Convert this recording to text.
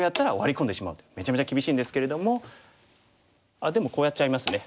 あっでもこうやっちゃいますね。